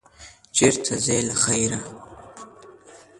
چېرته ځې، له خیره؟